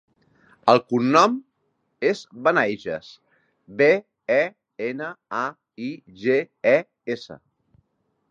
El cognom és Benaiges: be, e, ena, a, i, ge, e, essa.